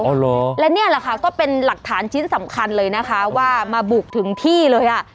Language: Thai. และนี่แหละค่ะก็เป็นหลักฐานชิ้นสำคัญเลยนะคะว่ามาบุกถึงที่เลยอ่ะ